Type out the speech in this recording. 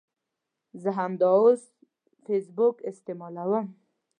زه همداوس فیسبوک استعمالوم